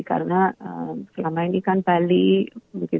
karena selama ini kan bali